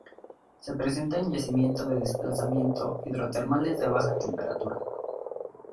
Se presenta en yacimientos de desplazamiento hidrotermales de baja temperatura.